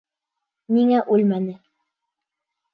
Ниңә үлмәне?